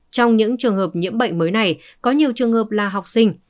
trong những trường hợp nhiễm bệnh mới này có nhiều trường hợp là học sinh